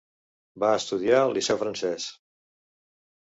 Va estudiar al Liceu Francès.